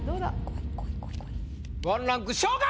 １ランク昇格！